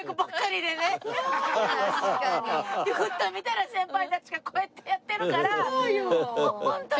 でふっと見たら先輩たちがこうやってやってるからホントに。